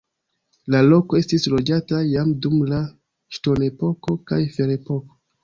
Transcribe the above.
La loko estis loĝata jam dum la ŝtonepoko kaj ferepoko.